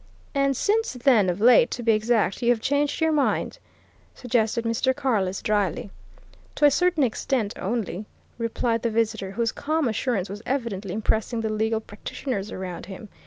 "And since then of late, to be exact you have changed your mind?" suggested Mr. Carless dryly. "To a certain extent only," replied the visitor, whose calm assurance was evidently impressing the legal practitioners around him.